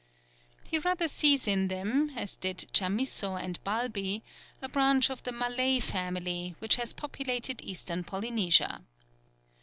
He rather sees in them, as did Chamisso and Balbi, a branch of the Malay family, which has peopled Eastern Polynesia.